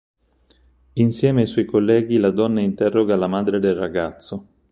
Insieme ai suoi colleghi la donna interroga la madre del ragazzo.